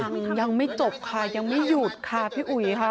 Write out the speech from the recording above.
ยังไม่จบค่ะยังไม่หยุดค่ะพี่อุ๋ยค่ะ